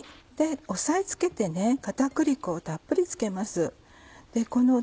押さえつけて片栗粉をたっぷり付けます。